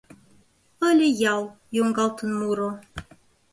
Ыле ял — йоҥгалтын муро